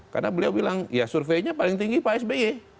karena beliau bilang ya surveinya paling tinggi pak sby